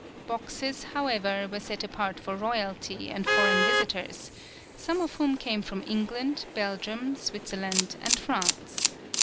Boxes, however, were set apart for royalty and foreign visitors, some of whom came from England, Belgium, Switzerland and France.